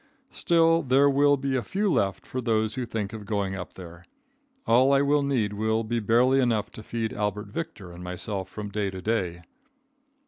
Still there will be a few left for those who think of going up there. All I will need will be barely enough to feed Albert Victor and myself from day to day.